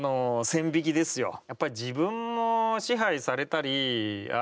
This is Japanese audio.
やっぱり自分も支配されたり。